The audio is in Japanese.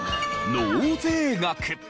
納税額。